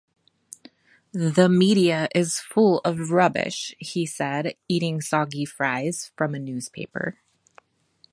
"The media is full of rubbish" he said, eating soggy fries from a newspaper